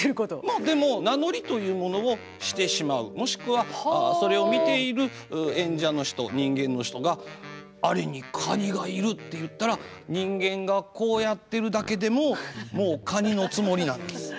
まあでも名乗りというものをしてしまうもしくはそれを見ている演者の人人間の人が「あれに蟹がいる」って言ったら人間がこうやってるだけでももう蟹のつもりなんです。